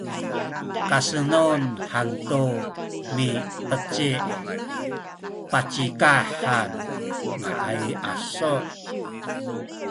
kasenun hantu mipecih pacikah han ngaay asu’